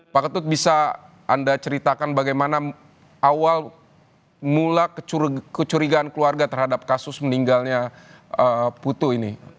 pak ketut bisa anda ceritakan bagaimana awal mula kecurigaan keluarga terhadap kasus meninggalnya putu ini